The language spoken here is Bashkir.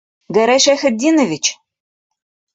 Гәрәй Шәйхетдинович!..